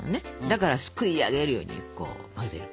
だからすくいあげるようにこう混ぜる。